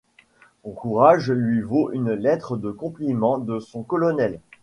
Son courage lui vaut une lettre de compliments de son colonel.